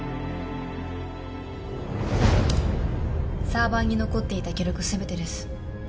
サーバーに残っていた記録全てです